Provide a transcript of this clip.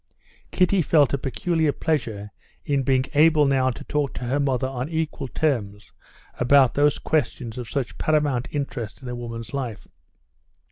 Kitty felt a peculiar pleasure in being able now to talk to her mother on equal terms about those questions of such paramount interest in a woman's life.